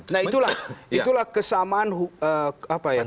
nah itulah itulah kesamaan apa ya